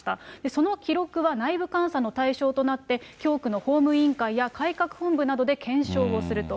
その記録は内部監査の対象となって、教区の法務委員会や改革本部などで検証をすると。